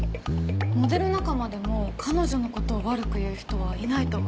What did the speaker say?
モデル仲間でも彼女の事を悪く言う人はいないと思います。